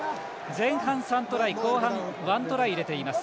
前半３トライ、後半１トライ入れています。